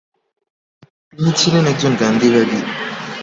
তিনি ছিলেন একজন গান্ধীবাদী।